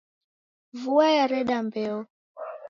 Vua yareda mbeo.